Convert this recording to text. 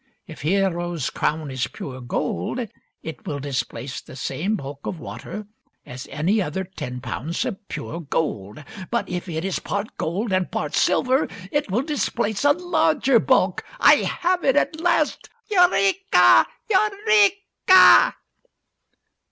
If Hiero's crown is pure gold it will displace the same bulk of water as any other ten pounds of pure gold. But if it is part gold and part silver it will displace a larger bulk. I have it at last ! Eureka ! Eureka !